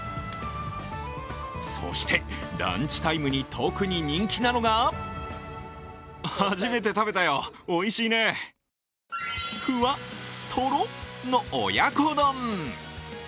そして、ランチタイムに特に人気なのがふわっ、とろっの親子丼。